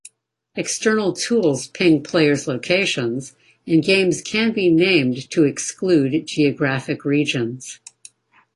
External tools ping player's locations, and games can be named to exclude geographic regions.